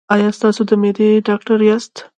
ایا تاسو د معدې ډاکټر یاست؟